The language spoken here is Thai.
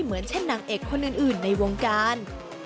เหมือนเช่นนางเอกคนอื่นในวงการ